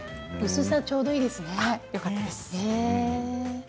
薄さちょうどいいですね。